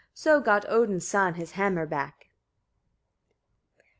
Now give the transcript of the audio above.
So got Odin's son his hammer back.